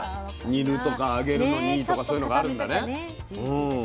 煮るとか揚げるのにいいとかそういうのがあるんだね。